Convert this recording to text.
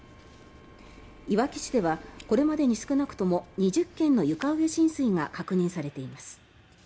いわき市では、これまでに少なくとも２０軒の床上浸水が確認されています。